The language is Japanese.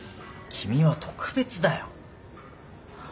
君は特別だよ。